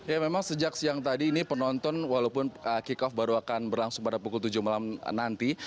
ya memang sejak siang tadi ini penonton walaupun kick off baru akan berlangsung pada pukul tujuh malam nanti